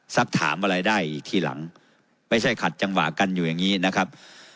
สักถามอะไรได้ทีหลังไม่ใช่ขัดจังหวะกันอยู่อย่างนี้นะครับ